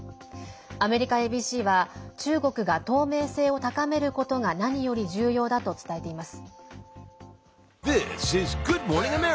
アメリカＡＢＣは中国が透明性を高めることが何より重要だと伝えています。